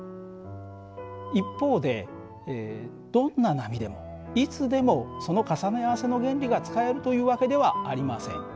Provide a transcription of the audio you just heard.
一方でどんな波でもいつでもその重ね合わせの原理が使えるという訳ではありません。